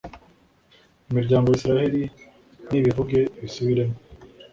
Imiryango ya Israheli nibivuge ibisubiremo